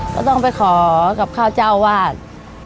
ก็ต้องไปขอกับข้าวเจ้าวาด